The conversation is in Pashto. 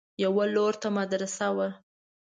يوه لور ته مدرسه وه.